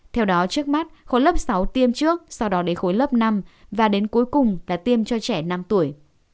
theo đó trước mắt khối lớp sáu tiêm trước sau đó đến khối lớp năm và đến cuối cùng là tiêm cho trẻ năm tuổi